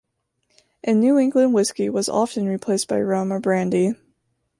In New England whiskey was often replaced by rum or brandy.